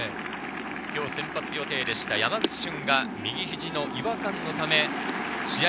今日、先発予定だった山口俊が右肘の違和感のため試合